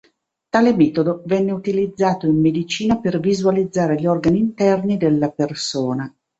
Tale metodo venne utilizzato in medicina per visualizzare gli organi interni della persona.